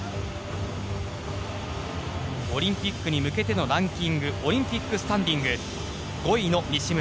オリンピックに向けてのランキングオリンピックスタンディング５位の西村。